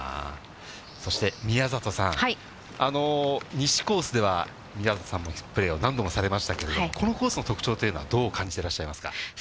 そして、宮里さん、西コースでは、宮里さんもプレー、何度もされましたけれども、このコースの特徴っていうのはどう感じてらっしゃいますか。